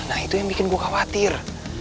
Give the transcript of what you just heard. nah itu yang bikin gue khawatir